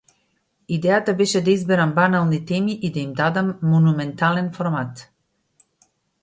Идејата беше да изберам банални теми и да им дадам монументален формат.